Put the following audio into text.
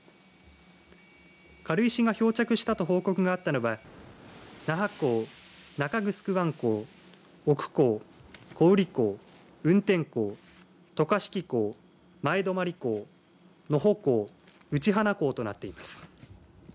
軽石が漂着したと報告があったのは那覇港中城湾港奥港、古宇利港運天港、渡嘉敷港、前泊港野甫港、内花港となっています。